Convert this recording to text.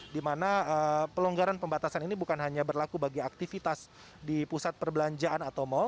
di mana pelonggaran pembatasan ini bukan hanya berlaku bagi aktivitas di pusat perbelanjaan atau mal